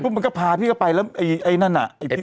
เป็นการกระตุ้นการไหลเวียนของเลือด